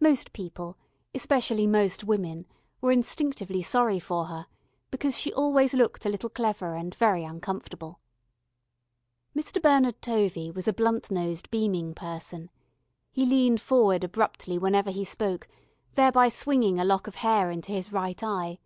Most people, especially most women, were instinctively sorry for her, because she always looked a little clever and very uncomfortable. Mr. Bernard Tovey was a blunt nosed beaming person. He leaned forward abruptly whenever he spoke, thereby swinging a lock of hair into his right eye.